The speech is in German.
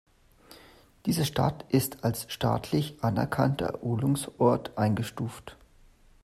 Die Stadt ist als staatlich anerkannter Erholungsort eingestuft.